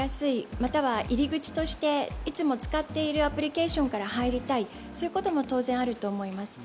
または入り口として、いつも使っているアプリケーションから入りたい、そういうことも当然あると思います。